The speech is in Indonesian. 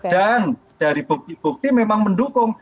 dan dari bukti bukti memang mendukung